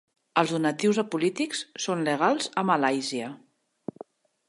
Els donatius a polítics són legals a Malàisia.